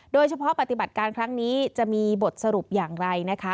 ปฏิบัติการครั้งนี้จะมีบทสรุปอย่างไรนะคะ